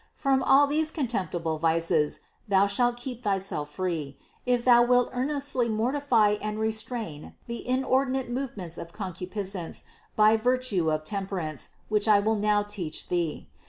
From all these contemptible vices thou shalt keep thyself free, if thou wilt earnestly mortify and restrain the inordinate movements of concupiscence by virtue of temperance, which I will now teach thee.